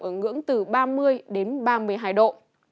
ở ngưỡng từ ba mươi ba mươi năm độ